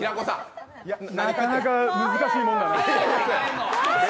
なかなか難しいもんだね。